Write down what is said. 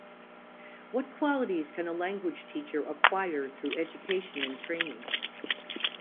What qualities can a language teacher acquire through education and training?